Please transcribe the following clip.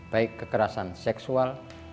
baik kekerasan seksual